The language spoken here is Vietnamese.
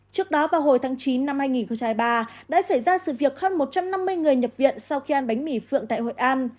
trước đó vào hồi tháng chín năm hai nghìn hai mươi ba đã xảy ra sự việc hơn một trăm năm mươi người nhập viện sau khi ăn bánh mì phượng tại hội an